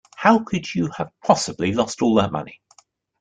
How could you have possibly lost all that money?